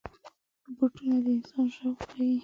بوټونه د انسان شوق ښيي.